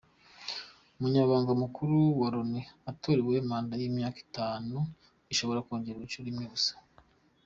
Umunyamabanga Mukuru wa Loni atorerwa manda y’imyaka itanu ishobora kongerwa inshuro imwe gusa.